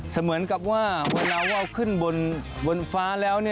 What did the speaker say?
เหมือนกับว่าเวลาว่าขึ้นบนฟ้าแล้ว